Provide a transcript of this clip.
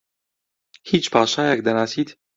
هیچ پاشایەک دەناسیت؟